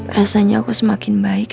rasanya aku semakin baik